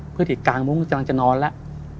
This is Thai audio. พื้นที่กลางมุมกำลังจะนอนแล้ว